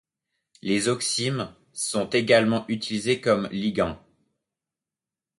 Les oximes sont également utilisées comme ligand.